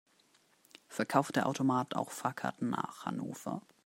Verkauft der Automat auch Fahrkarten nach Hannover?